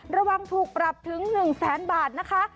ระวังถูกปรับถึง๑แสนบาทนะคะ